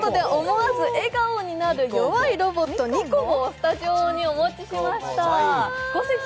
思わず笑顔になる弱いロボット・ＮＩＣＯＢＯをスタジオにお持ちしました。